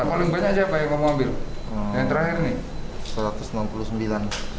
kalau lebih banyak aja apa yang kamu ambil yang terakhir nih